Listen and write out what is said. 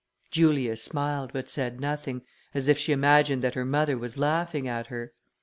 Julia smiled, but said nothing, as if she imagined that her mother was laughing at her.